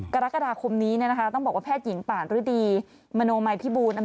กรกฎาคมนี้ต้องบอกว่าแพทย์หญิงป่านฤดีมโนมัยพิบูล